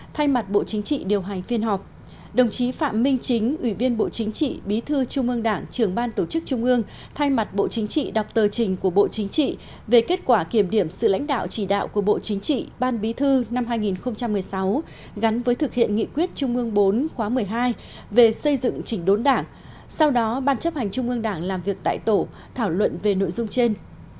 thay mặt bộ chính trị đọc tờ trình của bộ chính trị về kết quả kiểm điểm sự lãnh đạo chỉ đạo của bộ chính trị ban bí thư năm hai nghìn một mươi sáu gắn với thực hiện nghị quyết trung ương bốn khóa một mươi hai về xây dựng trình đốn đảng sau đó ban chấp hành trung ương đảng làm việc tại tổ thảo luận về nội dung trên